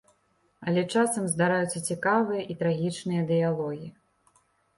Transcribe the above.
Але часам здараюцца цікавыя і трагічныя дыялогі.